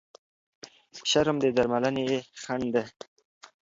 شرم د درملنې خنډ دی.